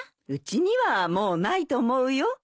うちにはもうないと思うよ。